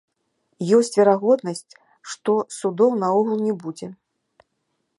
Ёсць верагоднасць, што судоў наогул не будзе.